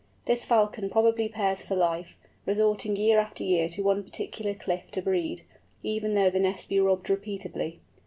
This Falcon probably pairs for life, resorting year after year to one particular cliff to breed, even though the nest be robbed repeatedly.